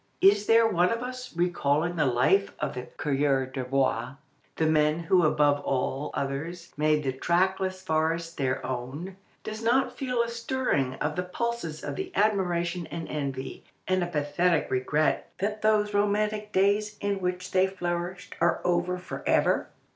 Is there one of us recalling the life of the coureurs de bois, the men who above all others made the trackless forest their own, does not feel a stirring of the pulses of admiration and envy, and a pathetic regret that those romantic days in which they flourished are over for ever?